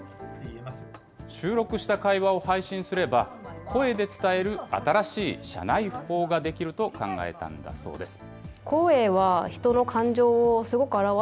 収録した会話を配信すれば、声で伝える新しい社内報が出来ると考えたんだそうです。